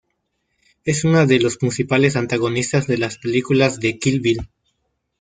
Es una de los principales antagonistas de las películas de Kill Bill.